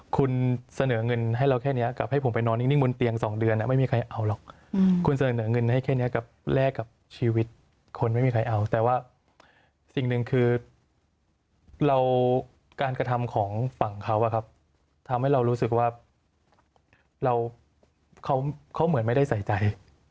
คุณเสนอเงินให้เราแค่นี้กับให้ผมไปนอนนิ่งบนเตียง๒เดือนไม่มีใครเอาหรอกคุณเสนอเงินให้แค่นี้กับแลกกับชีวิตคนไม่มีใครเอาแต่ว่าสิ่งหนึ่งคือเราการกระทำของฝั่งเขาทำให้เรารู้สึกว่าเราเขาเหมือนไม่ได้ใส่ใจ